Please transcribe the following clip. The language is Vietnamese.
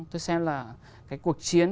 tôi xem là cái cuộc chiến